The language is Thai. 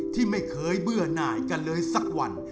ที่ไม่เคยเบื่อหน่ายกันเลยสักวัน